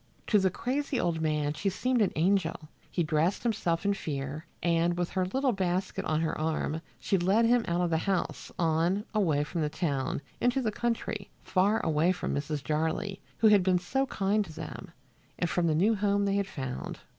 To the crazy old man she seemed an angel. He dressed himself in fear, and with her little basket on her arm she led him out of the house, on, away from the town, into the country, far away from Mrs. Jarley, who had been so kind to them, and from the new home they had found.